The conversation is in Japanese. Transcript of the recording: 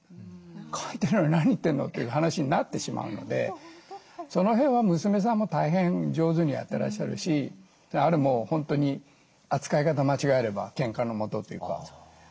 書いてたのに何言ってんの」という話になってしまうのでその辺は娘さんも大変上手にやってらっしゃるしあれもう本当に扱い方間違えればけんかの元というか。